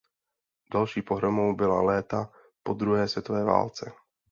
Další pohromou byla léta po druhé světové válce.